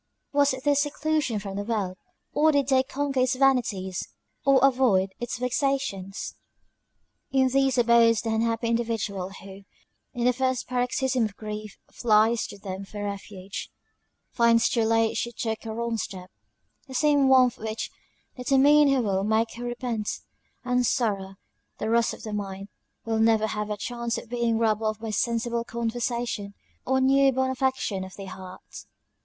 Was this seclusion from the world? or did they conquer its vanities or avoid its vexations? In these abodes the unhappy individual, who, in the first paroxysm of grief flies to them for refuge, finds too late she took a wrong step. The same warmth which determined her will make her repent; and sorrow, the rust of the mind, will never have a chance of being rubbed off by sensible conversation, or new born affections of the heart.